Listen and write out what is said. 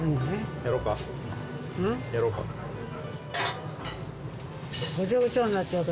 やろうか？